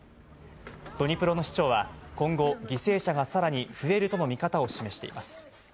ドニプロの市長は、今後、犠牲者がさらに増えるとの見方を示しています。